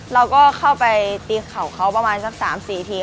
เราก็เข้าไปตีเข่าเขาประมาณสัก๓๔ที